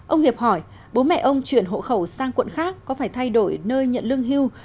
ông hiệp hỏi bố mẹ ông chuyển hộ khẩu sang quận khác có phải thay đổi nơi nhận lương hưu